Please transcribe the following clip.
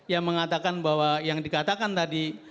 yang mengatakan bahwa yang dikatakan tadi